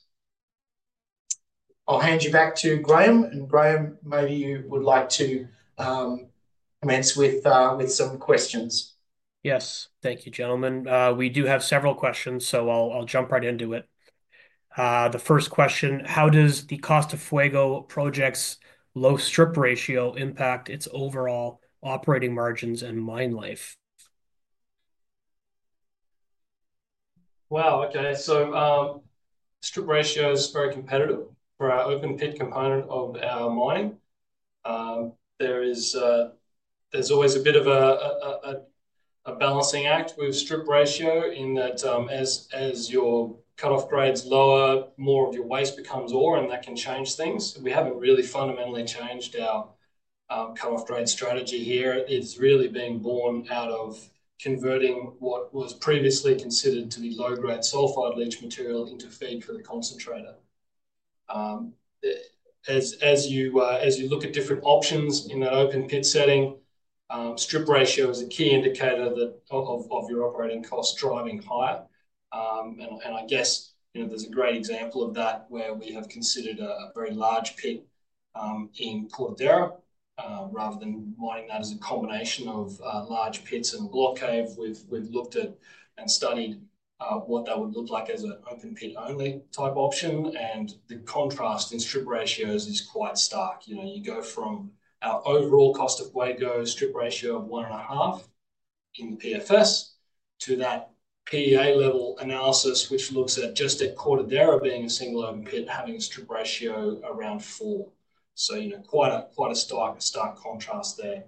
I'll hand you back to Graham, and Graham, maybe you would like to commence with some questions. Yes. Thank you, gentlemen. We do have several questions, so I'll jump right into it. The first question, how does the Costa Fuego project's low strip ratio impact its overall operating margins and mine life? Strip ratio is very competitive for our open pit component of our mining. There's always a bit of a balancing act with strip ratio in that as your cut-off grade's lower, more of your waste becomes ore, and that can change things. We haven't really fundamentally changed our cut-off grade strategy here. It's really been borne out of converting what was previously considered to be low-grade sulfide leach material into feed for the concentrator. As you look at different options in that open pit setting, strip ratio is a key indicator of your operating costs driving higher. I guess there's a great example of that where we have considered a very large pit in Cortadera rather than mining that as a combination of large pits and a block cave. We've looked at and studied what that would look like as an open pit-only type option, and the contrast in strip ratios is quite stark. You go from our overall Costa Fuego strip ratio of 1.5 in the PFS to that PEA level analysis, which looks at just at Cortadera being a single open pit, having a strip ratio around 4. Quite a stark contrast there.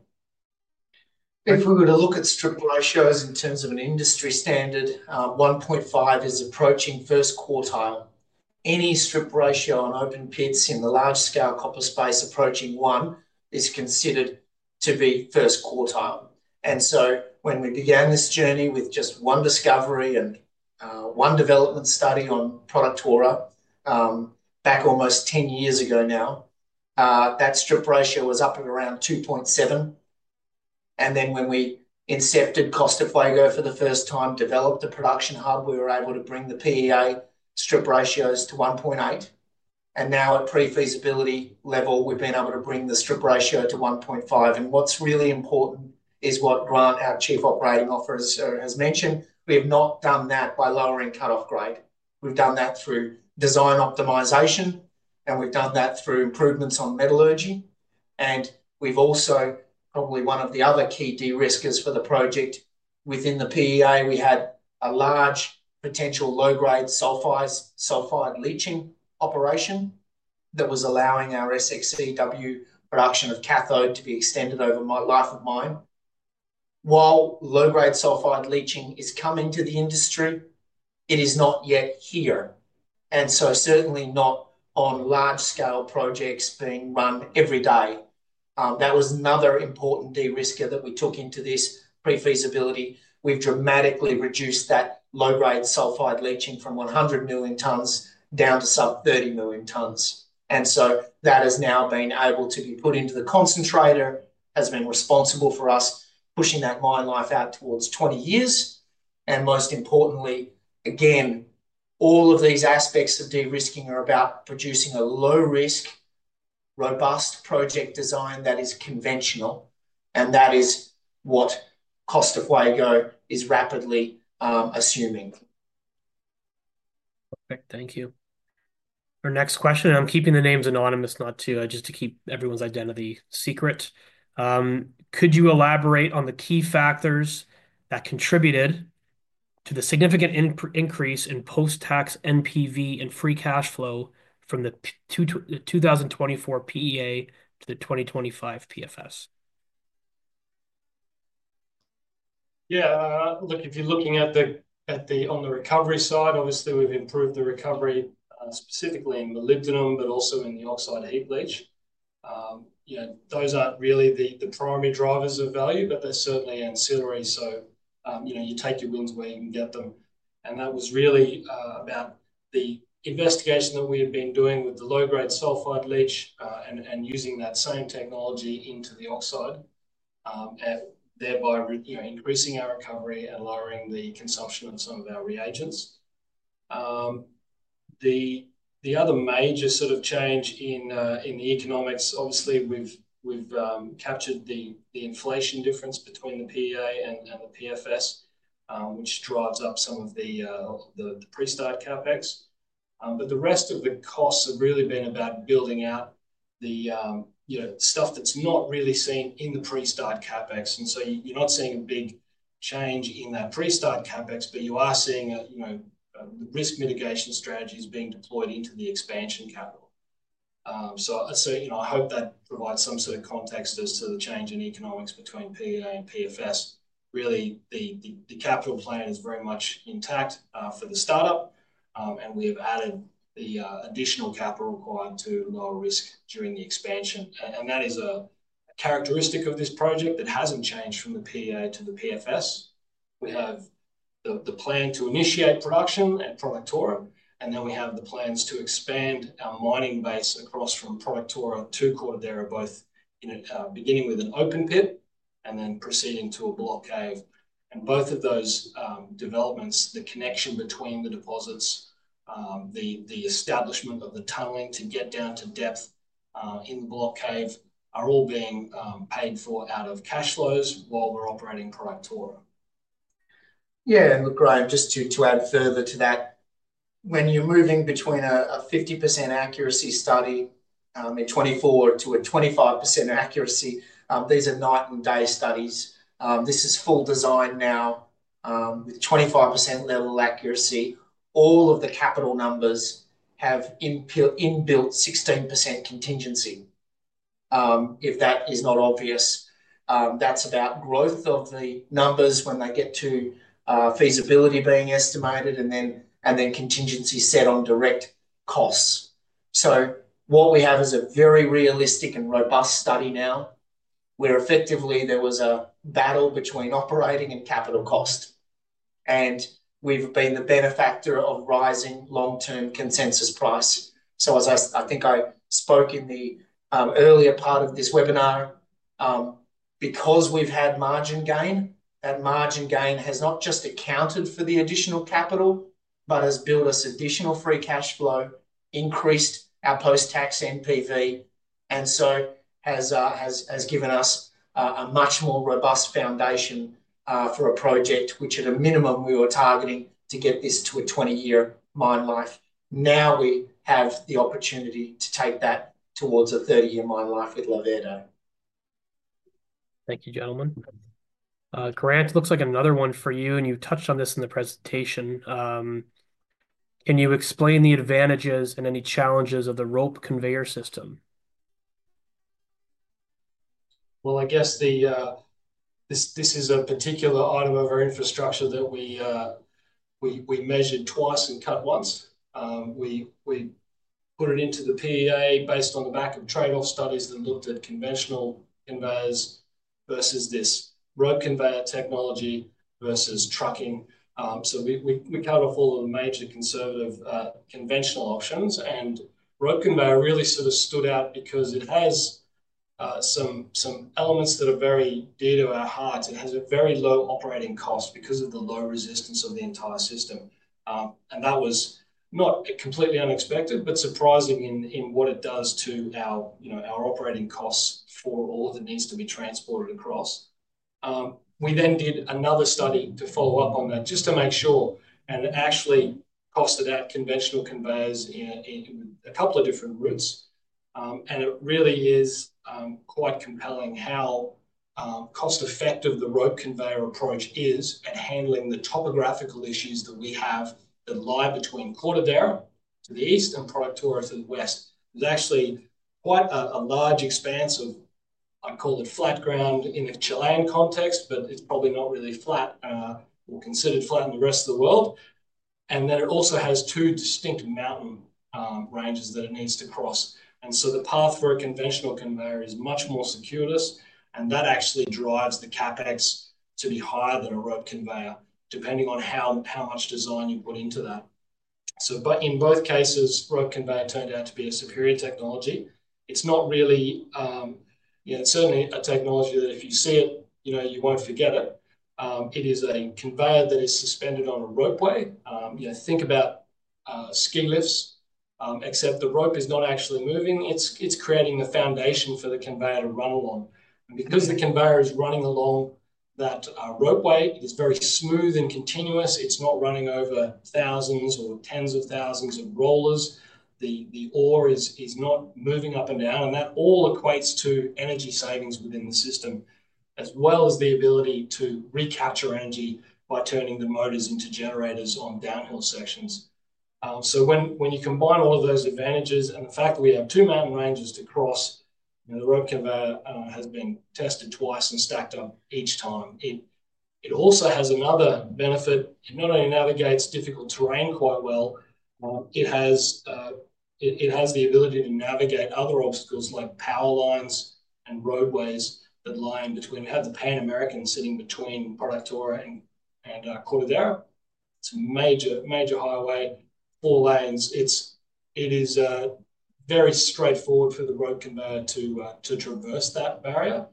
If we were to look at strip ratios in terms of an industry standard, 1.5 is approaching first quartile. Any strip ratio on open pits in the large-scale copper space approaching one is considered to be first quartile. When we began this journey with just one discovery and one development study on Productora back almost 10 years ago now, that strip ratio was up at around 2.7. When we incepted Costa Fuego for the first time, developed the production hub, we were able to bring the PEA strip ratios to 1.8. Now at pre-feasibility level, we've been able to bring the strip ratio to 1.5. What's really important is what Grant, our Chief Operating Officer, has mentioned. We have not done that by lowering cut-off grade. We've done that through design optimisation, and we've done that through improvements on metallurgy. We have also, probably one of the other key de-riskers for the project within the PEA, had a large potential low-grade sulfide leaching operation that was allowing our SX-EW production of cathode to be extended over my life of mine. While low-grade sulfide leaching is coming to the industry, it is not yet here. Certainly not on large-scale projects being run every day. That was another important de-risker that we took into this pre-feasibility. We have dramatically reduced that low-grade sulfide leaching from 100 million tonnes down to sub 30 million tonnes. That has now been able to be put into the concentrator and has been responsible for us pushing that mine life out towards 20 years. Most importantly, again, all of these aspects of de-risking are about producing a low-risk, robust project design that is conventional, and that is what Costa Fuego is rapidly assuming. Perfect. Thank you. Our next question, and I'm keeping the names anonymous, not to just to keep everyone's identity secret. Could you elaborate on the key factors that contributed to the significant increase in post-tax NPV and free cash flow from the 2024 PEA to the 2025 PFS? Yeah. Look, if you're looking at the on the recovery side, obviously we've improved the recovery specifically in molybdenum, but also in the oxide heap leach. Those aren't really the primary drivers of value, but they're certainly ancillary. You take your wins where you can get them. That was really about the investigation that we had been doing with the low-grade sulfide leach and using that same technology into the oxide, thereby increasing our recovery and lowering the consumption of some of our reagents. The other major sort of change in the economics, obviously we've captured the inflation difference between the PEA and the PFS, which drives up some of the pre-start CapEx. The rest of the costs have really been about building out the stuff that's not really seen in the pre-start CapEx. You are not seeing a big change in that pre-start CapEx, but you are seeing the risk mitigation strategies being deployed into the expansion capital. I hope that provides some sort of context as to the change in economics between PEA and PFS. Really, the capital plan is very much intact for the startup, and we have added the additional capital required to lower risk during the expansion. That is a characteristic of this project that hasn't changed from the PEA to the PFS. We have the plan to initiate production at Productora, and then we have the plans to expand our mining base across from Productora to Cortadera, both beginning with an open pit and then proceeding to a block cave. Both of those developments, the connection between the deposits, the establishment of the tunneling to get down to depth in the block cave are all being paid for out of cash flows while we're operating Productora. Yeah. Look, Graham, just to add further to that, when you're moving between a 50% accuracy study in 2024 to a 25% accuracy, these are night and day studies. This is full design now with 25% level accuracy. All of the capital numbers have inbuilt 16% contingency. If that is not obvious, that's about growth of the numbers when they get to feasibility being estimated and then contingency set on direct costs. What we have is a very realistic and robust study now where effectively there was a battle between operating and capital cost. We've been the benefactor of rising long-term consensus price. As I think I spoke in the earlier part of this webinar, because we've had margin gain, that margin gain has not just accounted for the additional capital, but has built us additional free cash flow, increased our post-tax NPV, and so has given us a much more robust foundation for a project which at a minimum we were targeting to get this to a 20-year mine life. Now we have the opportunity to take that towards a 30-year mine life with La Verde. Thank you, gentlemen. Grant, it looks like another one for you, and you touched on this in the presentation. Can you explain the advantages and any challenges of the rope conveyor system? This is a particular item of our infrastructure that we measured twice and cut once. We put it into the PEA based on the back of trade-off studies that looked at conventional conveyors versus this rope conveyor technology versus trucking. We cut off all of the major conservative conventional options. Rope conveyor really sort of stood out because it has some elements that are very dear to our heart. It has a very low operating cost because of the low resistance of the entire system. That was not completely unexpected, but surprising in what it does to our operating costs for all of the needs to be transported across. We then did another study to follow up on that just to make sure and actually costed out conventional conveyors in a couple of different routes. It really is quite compelling how cost-effective the rope conveyor approach is at handling the topographical issues that we have that lie between Cortadera to the east and Productora to the west. It's actually quite a large expanse of, I call it flat ground in a Chilean context, but it's probably not really flat or considered flat in the rest of the world. It also has two distinct mountain ranges that it needs to cross. The path for a conventional conveyor is much more circuitous, and that actually drives the CapEx to be higher than a rope conveyor, depending on how much design you put into that. In both cases, rope conveyor turned out to be a superior technology. It's not really certainly a technology that if you see it, you won't forget it. It is a conveyor that is suspended on a rope way. Think about ski lifts, except the rope is not actually moving. It's creating the foundation for the conveyor to run along. Because the conveyor is running along that rope way, it is very smooth and continuous. It's not running over thousands or tens of thousands of rollers. The ore is not moving up and down. That all equates to energy savings within the system, as well as the ability to recapture energy by turning the motors into generators on downhill sections. When you combine all of those advantages and the fact that we have two mountain ranges to cross, the rope conveyor has been tested twice and stacked up each time. It also has another benefit. It not only navigates difficult terrain quite well, it has the ability to navigate other obstacles like power lines and roadways that lie in between. We have the Pan-American sitting between Productora and Cortadera. It's a major highway, four lanes. It is very straightforward for the rope conveyor to traverse that barrier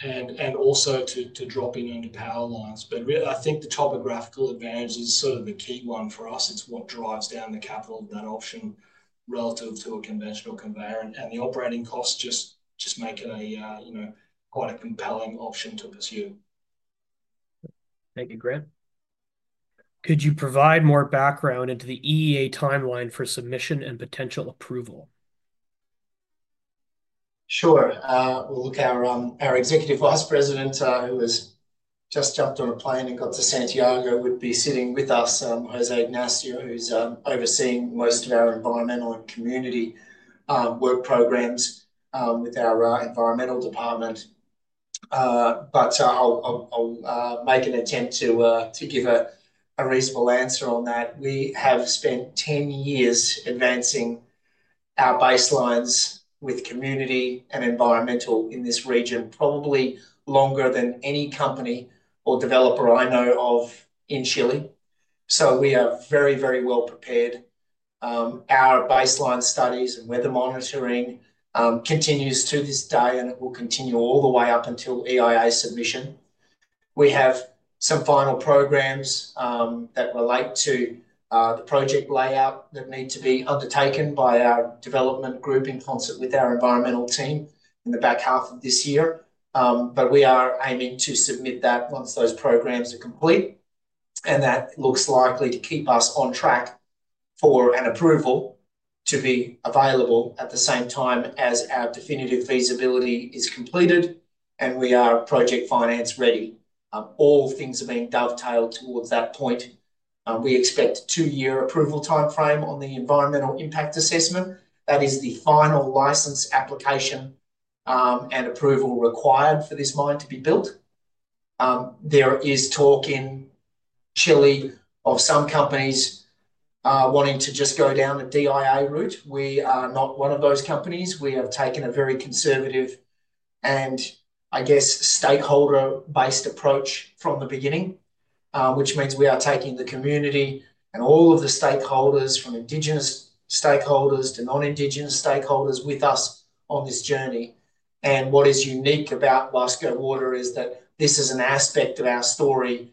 and also to drop in under power lines.I think the topographical advantage is sort of the key one for us. It's what drives down the capital of that option relative to a conventional conveyor. The operating costs just make it quite a compelling option to pursue. Thank you, Grant. Could you provide more background into the EIA timeline for submission and potential approval? Sure. Our Executive Vice President, who has just jumped on a plane and got to Santiago, would be sitting with us, José Ignacio, who's overseeing most of our environmental and community work programs with our environmental department. I will make an attempt to give a reasonable answer on that. We have spent 10 years advancing our baselines with community and environmental in this region, probably longer than any company or developer I know of in Chile. We are very, very well prepared. Our baseline studies and weather monitoring continues to this day, and it will continue all the way up until EIA submission. We have some final programs that relate to the project layout that need to be undertaken by our development group in concert with our environmental team in the back half of this year. We are aiming to submit that once those programs are complete. That looks likely to keep us on track for an approval to be available at the same time as our definitive feasibility is completed, and we are project finance ready. All things are being dovetailed towards that point. We expect a two-year approval timeframe on the environmental impact assessment. That is the final license application and approval required for this mine to be built. There is talk in Chile of some companies wanting to just go down the DIA route. We are not one of those companies. We have taken a very conservative and, I guess, stakeholder-based approach from the beginning, which means we are taking the community and all of the stakeholders, from indigenous stakeholders to non-indigenous stakeholders, with us on this journey. What is unique about Huasco Water is that this is an aspect of our story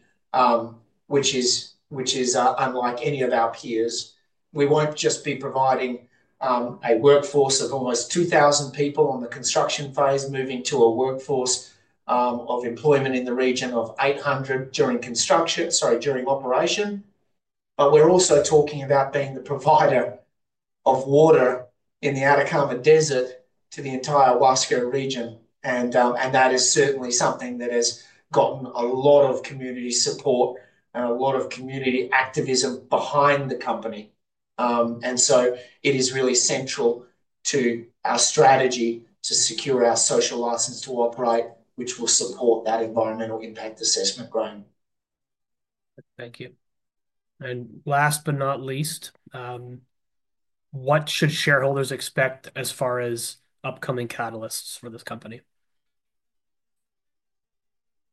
which is unlike any of our peers. We won't just be providing a workforce of almost 2,000 people on the construction phase, moving to a workforce of employment in the region of 800 during operation. We are also talking about being the provider of water in the Atacama Desert to the entire Huasco region. That is certainly something that has gotten a lot of community support and a lot of community activism behind the company. It is really central to our strategy to secure our social license to operate, which will support that environmental impact assessment, Graham. Thank you. Last but not least, what should shareholders expect as far as upcoming catalysts for this company?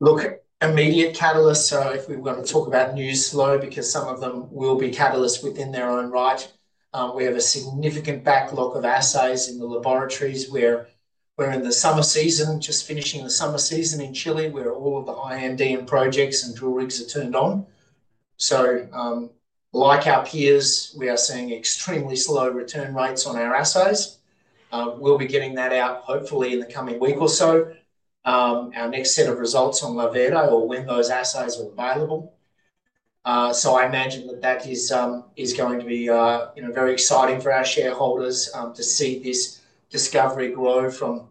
Look, immediate catalysts, if we were going to talk about news flow, because some of them will be catalysts within their own right. We have a significant backlog of assays in the laboratories. We're in the summer season, just finishing the summer season in Chile, where all of the high Andean projects and drill rigs are turned on. Like our peers, we are seeing extremely slow return rates on our assays. We'll be getting that out hopefully in the coming week or so, our next set of results on La Verde or when those assays are available. I imagine that that is going to be very exciting for our shareholders to see this discovery grow from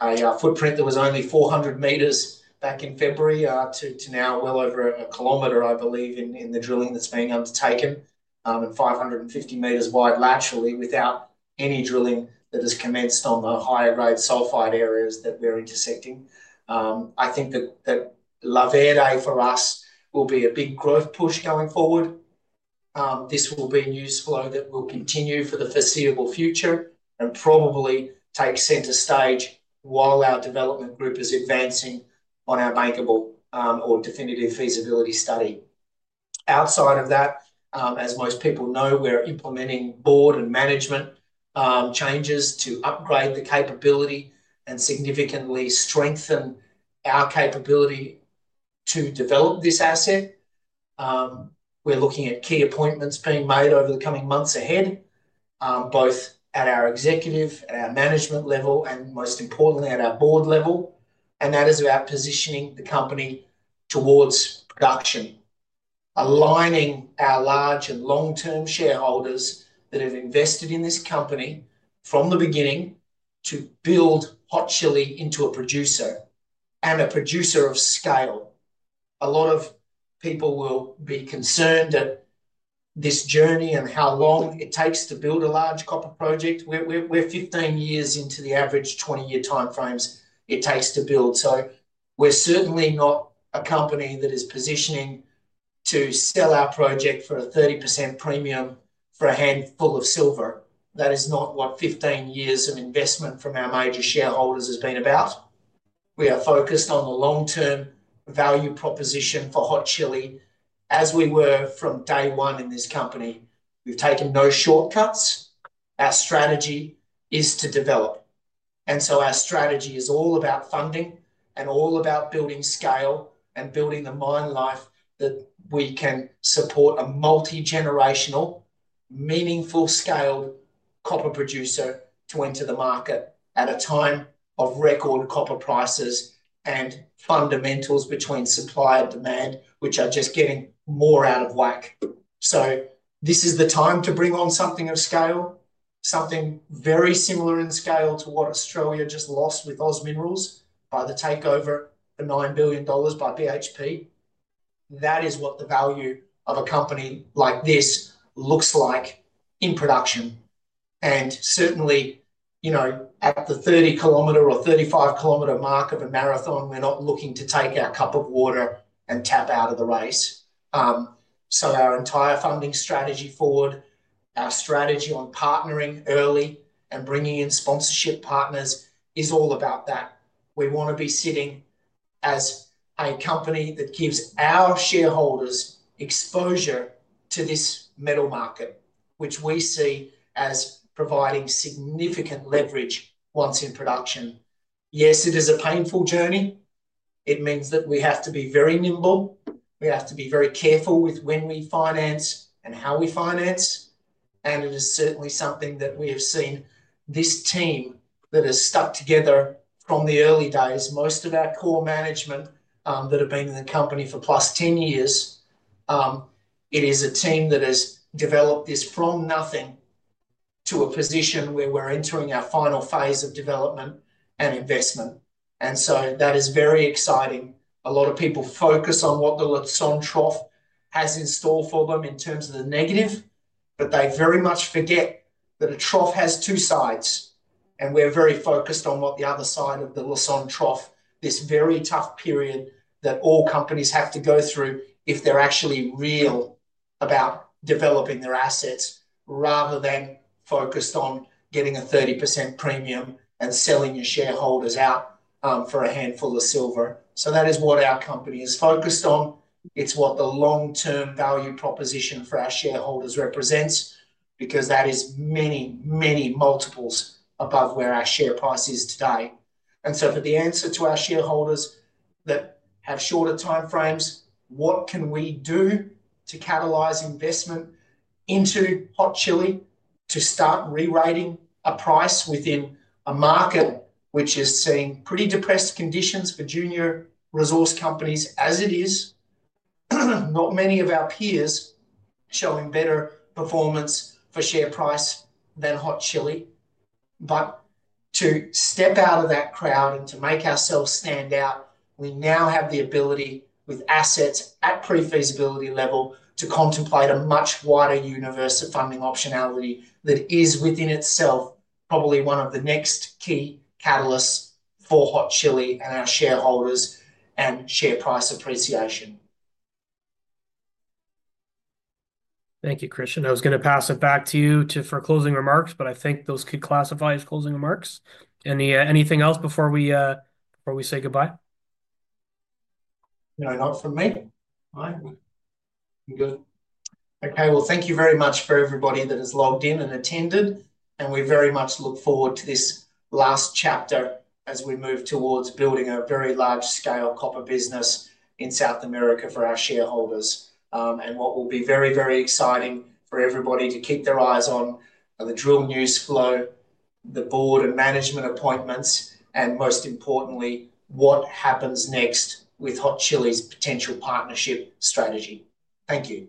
a footprint that was only 400 meters back in February to now well over a kilometer, I believe, in the drilling that's being undertaken and 550 meters wide laterally without any drilling that has commenced on the higher-grade sulfide areas that we're intersecting. I think that La Verde, for us, will be a big growth push going forward. This will be news flow that will continue for the foreseeable future and probably take center stage while our development group is advancing on our bankable or definitive feasibility study. Outside of that, as most people know, we're implementing board and management changes to upgrade the capability and significantly strengthen our capability to develop this asset. We're looking at key appointments being made over the coming months ahead, both at our executive, at our management level, and most importantly, at our board level. That is about positioning the company towards production, aligning our large and long-term shareholders that have invested in this company from the beginning to build Hot Chili into a producer and a producer of scale. A lot of people will be concerned at this journey and how long it takes to build a large copper project. We're 15 years into the average 20-year timeframes it takes to build. We are certainly not a company that is positioning to sell our project for a 30% premium for a handful of silver. That is not what 15 years of investment from our major shareholders has been about. We are focused on the long-term value proposition for Hot Chili as we were from day one in this company. We've taken no shortcuts. Our strategy is to develop. Our strategy is all about funding and all about building scale and building the mine life that we can support a multi-generational, meaningful-scale copper producer to enter the market at a time of record copper prices and fundamentals between supply and demand, which are just getting more out of whack. This is the time to bring on something of scale, something very similar in scale to what Australia just lost with OZ Minerals by the takeover for $9 billion by BHP. That is what the value of a company like this looks like in production. Certainly, at the 30-kilometer or 35-kilometer mark of a marathon, we're not looking to take our cup of water and tap out of the race. Our entire funding strategy forward, our strategy on partnering early and bringing in sponsorship partners is all about that. We want to be sitting as a company that gives our shareholders exposure to this metal market, which we see as providing significant leverage once in production. Yes, it is a painful journey. It means that we have to be very nimble. We have to be very careful with when we finance and how we finance. It is certainly something that we have seen, this team that has stuck together from the early days, most of our core management that have been in the company for plus 10 years. It is a team that has developed this from nothing to a position where we're entering our final phase of development and investment. That is very exciting. A lot of people focus on what the Lassonde Trough has in store for them in terms of the negative, but they very much forget that a trough has two sides. We are very focused on what the other side of the Lassonde Trough, this very tough period that all companies have to go through if they're actually real about developing their assets, rather than focused on getting a 30% premium and selling your shareholders out for a handful of silver. That is what our company is focused on. It's what the long-term value proposition for our shareholders represents because that is many, many multiples above where our share price is today. For the answer to our shareholders that have shorter timeframes, what can we do to catalyze investment into Hot Chili to start re-rating a price within a market which is seeing pretty depressed conditions for junior resource companies as it is? Not many of our peers showing better performance for share price than Hot Chili. To step out of that crowd and to make ourselves stand out, we now have the ability with assets at pre-feasibility level to contemplate a much wider universe of funding optionality that is within itself probably one of the next key catalysts for Hot Chili and our shareholders and share price appreciation. Thank you, Christian. I was going to pass it back to you for closing remarks, but I think those could classify as closing remarks. Anything else before we say goodbye? No, not from me. All right. I'm good. Thank you very much for everybody that has logged in and attended. We very much look forward to this last chapter as we move towards building a very large-scale copper business in South America for our shareholders. What will be very, very exciting for everybody to keep their eyes on are the drill news flow, the board and management appointments, and most importantly, what happens next with Hot Chili's potential partnership strategy. Thank you.